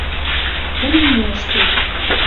Тыменьмӓштӹ